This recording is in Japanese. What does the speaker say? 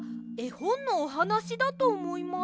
ほんのおはなしだとおもいます。